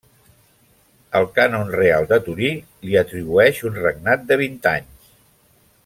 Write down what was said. El Cànon Real de Torí li atribueix un regnat de vint anys.